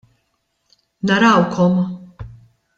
Narawkom.